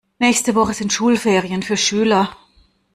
Nächste Woche sind Schulferien für Schüler.